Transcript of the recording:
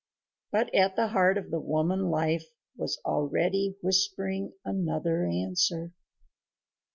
But at the heart of the woman Life was already whispering another answer.